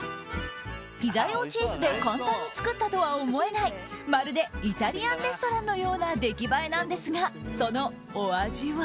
ピザ用チーズで簡単に作ったとは思えないまるでイタリアンレストランのような出来栄えなんですがそのお味は？